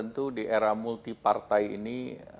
tentu di era multi partai ini